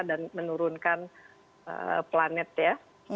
dan menurunkan planet ya